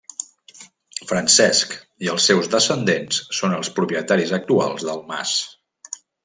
Francesc i els seus descendents són els propietaris actuals del mas.